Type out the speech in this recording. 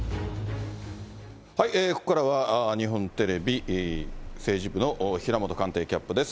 ここからは日本テレビ、政治部の平本官邸キャップです。